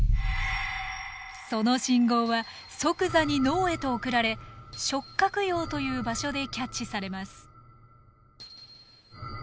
その信号は即座に脳へと送られ触角葉という場所でキャッチされます。